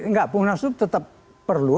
enggak munaslub tetap perlu